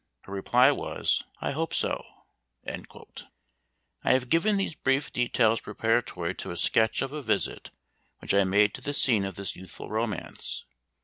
Her reply was, "I hope so." I have given these brief details preparatory to a sketch of a visit which I made to the scene of this youthful romance.